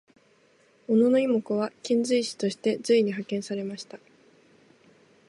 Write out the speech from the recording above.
小野妹子は遣隋使として隋に派遣されました。